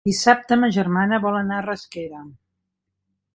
Dissabte ma germana vol anar a Rasquera.